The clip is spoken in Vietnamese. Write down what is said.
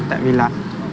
tại vì là